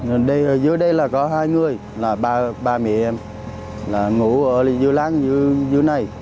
ở dưới đây là có hai người là ba mẹ em là ngủ ở dưới láng dưới này